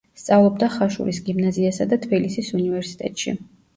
სწავლობდა ხაშურის გიმნაზიასა და თბილისის უნივერსიტეტში.